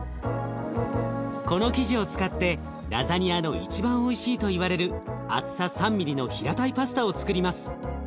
この生地を使ってラザニアの一番おいしいといわれる厚さ３ミリの平たいパスタをつくります。